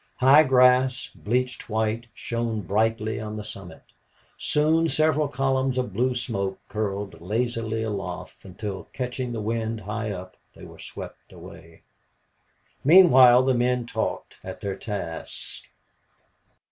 High grass, bleached white, shone brightly on the summit. Soon several columns of blue smoke curled lazily aloft until, catching the wind high up, they were swept away. Meanwhile the men talked at their tasks.